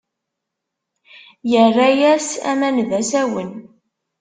Yerra-as aman d asawen.